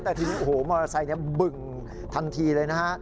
แต่ทีนี้โอ้โหมอเตอร์ไซค์บึ่งทันทีเลยนะฮะ